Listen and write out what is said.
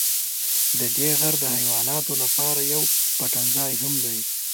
ددې غر د حیواناتو لپاره یو پټنځای هم دی.